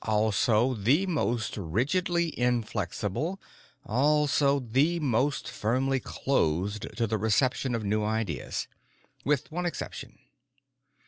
Also the most rigidly inflexible; also the most firmly closed to the reception of new ideas. With one exception."